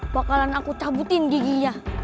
bakalan aku cabutin giginya